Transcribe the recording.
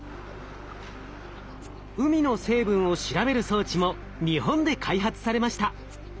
海の成分を調べる装置も日本で開発されました。